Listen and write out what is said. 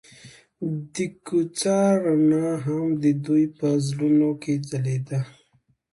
د کوڅه رڼا هم د دوی په زړونو کې ځلېده.